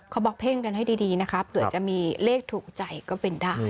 บอกเพ่งกันให้ดีนะคะเผื่อจะมีเลขถูกใจก็เป็นได้